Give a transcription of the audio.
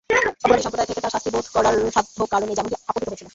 অপরাধী সম্প্রদায় থেকে তার শাস্তি রোধ করার সাধ্য কারো নেই যেমনটি আপতিত হয়েছিল।